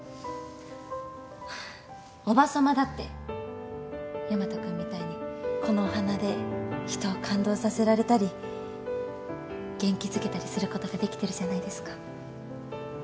叔母さまだってヤマト君みたいにこのお花で人を感動させられたり元気づけたりすることができてるじゃないですか。